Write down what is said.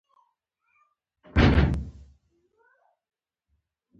په ځانګړې توګه هغه هېوادونه چې نفت نه لري بېوزله دي.